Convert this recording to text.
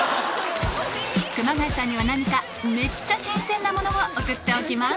熊谷さんには何かめっちゃ新鮮なものを送っておきます